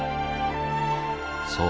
そう。